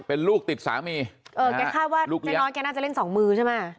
เป็นลูกติดสามีเออแกคาดว่าเจ๊น้อยแกน่าจะเล่นสองมือใช่ไหม